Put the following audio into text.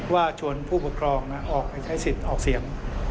ว่าชวนผู้ปกครองออกไปใช้สิทธิ์ออกเสียง